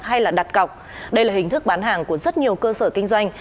hay là đặt cọc đây là hình thức bán hàng của rất nhiều cơ sở kinh doanh